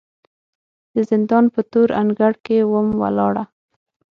د زندان په تور انګړ کې وم ولاړه